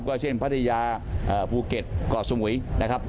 ก็เช่นพัทยาภูเก็ตเกาะสมุยนะครับ